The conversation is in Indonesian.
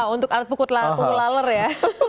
untuk alat pukul laler ya